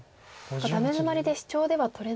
ダメヅマリでシチョウでは取れない。